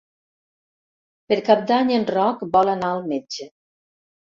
Per Cap d'Any en Roc vol anar al metge.